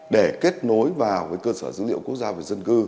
để kết nối vào với cơ sở dữ liệu quốc gia về dân cư